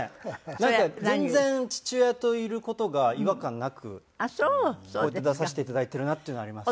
なんか全然父親といる事が違和感なくこうやって出させていただいてるなっていうのはあります。